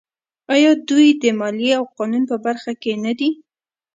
آیا دوی د مالیې او قانون په برخه کې نه دي؟